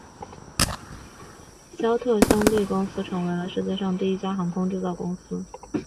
肖特兄弟公司成为了世界上第一家航空制造公司。